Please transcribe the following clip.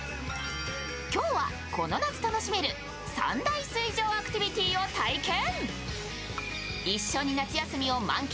今日はこの夏楽しめる三大水上アクティビティーを体験。